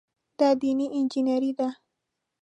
دا دیني انجینیري ده.